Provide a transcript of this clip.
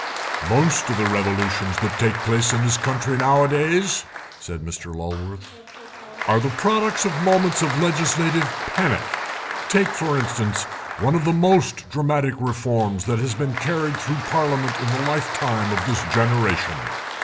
"Most of the revolutions that take place in this country nowadays," said Sir Lulworth, "are the product of moments of legislative panic. Take, for instance, one of the most dramatic reforms that has been carried through Parliament in the lifetime of this generation.